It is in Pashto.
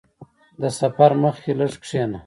• د سفر مخکې لږ کښېنه.